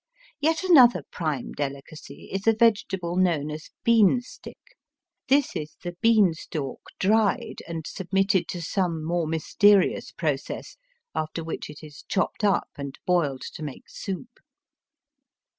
Yet another prime deUcacy is a vegetable known as l^eanstick. This is the beanstalk dried and submitted to some more mysterious process, after which it is chopped up and boiled to make soup.